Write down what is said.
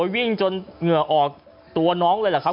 วิ่งจนเหงื่อออกตัวน้องเลยแหละครับ